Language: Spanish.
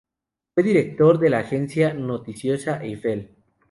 Fue director de la Agencia Noticiosa Eiffel.